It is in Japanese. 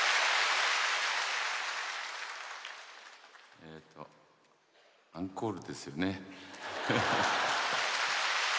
えっとアンコールですよね。